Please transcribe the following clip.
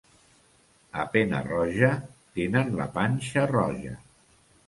A Pena-roja tenen la panxa roja.